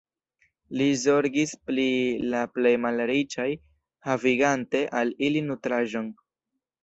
Li zorgis pri la plej malriĉaj, havigante al ili nutraĵon.